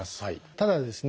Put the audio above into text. ただですね